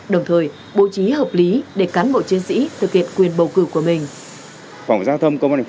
đồng thời bố trí hợp lý để cán bộ chiến sĩ thực hiện quyền bầu cử của mình